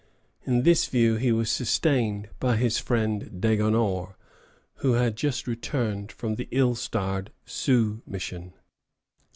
In this view he was sustained by his friend Degonnor, who had just returned from the ill starred Sioux mission.